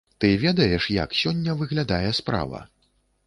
Ты ведаеш, як сёння выглядае справа?